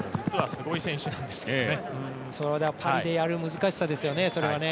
パリでやる難しさですよね。